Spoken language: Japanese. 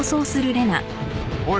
おい。